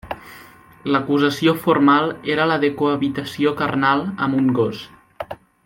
L'acusació formal era la de cohabitació carnal amb un gos.